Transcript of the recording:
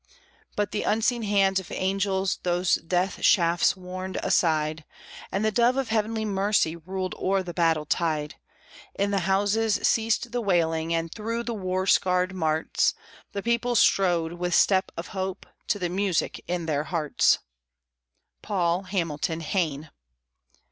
But the unseen hands of angels Those death shafts warned aside, And the dove of heavenly mercy Ruled o'er the battle tide: In the houses ceased the wailing, And through the war scarred marts The people strode, with step of hope, To the music in their hearts. PAUL HAMILTON HAYNE.